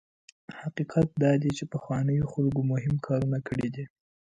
حقیقت دا دی چې پخوانیو خلکو مهم کارونه کړي دي.